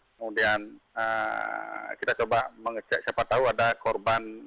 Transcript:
kemudian kita coba mengecek siapa tahu ada korban